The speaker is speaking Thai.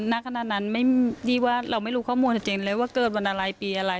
หน้าขนาดนั้นเราไม่รู้ข้อมูลจริงเลยว่าเกิดวันอะไรปีอะไร